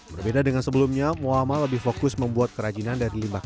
berbeda dengan sebelumnya muamal lebih fokus membuat kerajinan dari limah ban